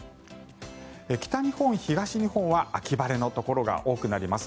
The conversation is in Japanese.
北日本、東日本は秋晴れのところが多くなります。